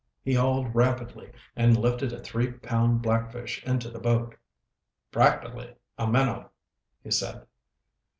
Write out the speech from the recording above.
He hauled rapidly and lifted a three pound blackfish into the boat. "Practically a minnow," he said.